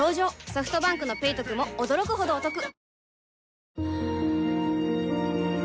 ソフトバンクの「ペイトク」も驚くほどおトク